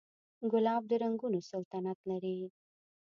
ګلاب د رنګونو سلطنت لري.